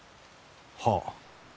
はあ。